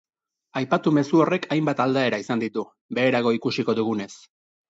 Aipatu mezu horrek hainbat aldaera izan ditu, beherago ikusiko dugunez.